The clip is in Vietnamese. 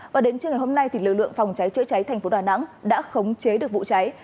và đến trưa ngày hôm nay lực lượng phòng cháy chữa cháy thành phố đà nẵng đã khống chế được vụ cháy